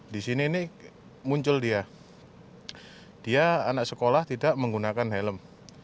di sini ini muncul dia dia anak sekolah tidak menggunakan helm